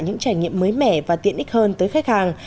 những trải nghiệm mới mẻ và tiện ích hơn tới khách hàng